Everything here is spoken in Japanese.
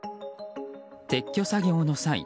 撤去作業の際